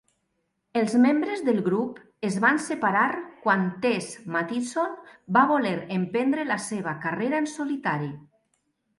Els membres del grup es van separar quan Tess Mattisson va voler emprendre la seva carrera en solitari.